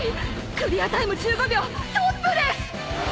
クリアタイム１５秒トップです！